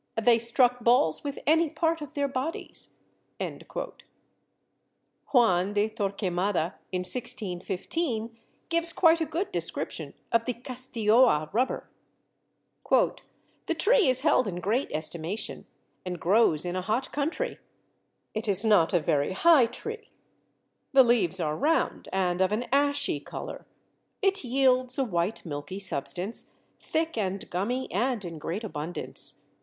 "They struck balls with any part of their bodies." Juan de Torquemada in 1615 gives quite a good description of the Castilloa rubber: "The tree is held in great estimation, and grows in a hot country. It is not a very high tree: the leaves are round and of an ashy colour: it yields a white milky substance, thick and gummy and in great abundance.